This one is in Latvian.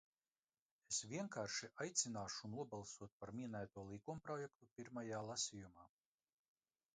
Es vienkārši aicināšu nobalsot par minēto likumprojektu pirmajā lasījumā.